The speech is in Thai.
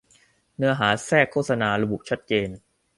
เนื้อหาแทรกโฆษณา ระบุชัดเจน